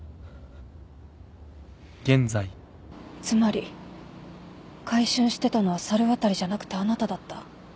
つまり買春してたのは猿渡じゃなくてあなただった。